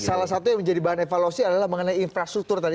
salah satu yang menjadi bahan evaluasi adalah mengenai infrastruktur tadi